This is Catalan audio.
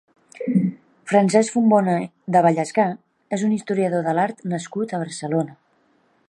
Francesc Fontbona de Vallescar és un historiador de l'art nascut a Barcelona.